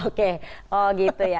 oke oh gitu ya